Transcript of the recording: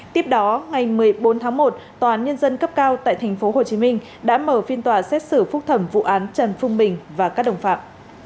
tiếp đó ngày một mươi bốn tháng một tòa án nhân dân cấp cao tại tp hcm đã mở phiên tòa xét xử phúc thẩm vụ án trần phương bình và các đồng phạm